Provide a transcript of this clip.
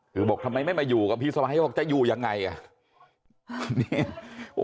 คือบอกทำไมไม่มาอยู่กับพี่สมาธิบอกจะอยู่ยังไงอ่ะ